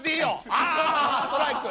あストライク！